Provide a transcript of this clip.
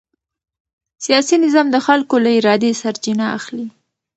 سیاسي نظام د خلکو له ارادې سرچینه اخلي